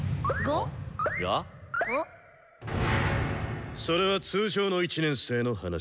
ゴ？それは通常の１年生の話だ。